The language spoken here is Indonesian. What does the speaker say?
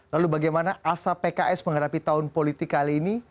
lalu bagaimana asa pks menghadapi tahun politik kali ini